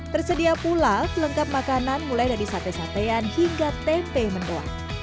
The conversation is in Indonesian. tersedia pula pelengkap makanan mulai dari sate satean hingga tempe mendoa